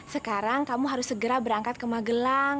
sekarang kamu harus segera berangkat ke magelang